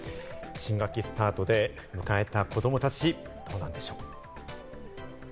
新学期スタートで迎えた子供たち、どうなんでしょう？